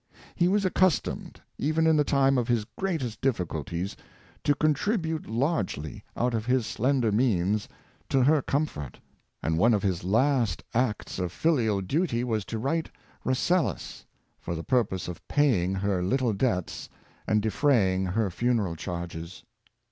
He was accustomed, even in the time of his greatest difficulties, to contribute largely, out of his slender means, to her comfort; and one of his last acts of filial duty was to write " Rasselas " for the purpose of pay ing her little debts and defraying her funeral charges.